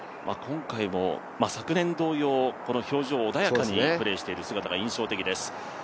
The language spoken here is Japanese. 今回も、昨年同様この表情穏やかにプレーしている姿が印象的です。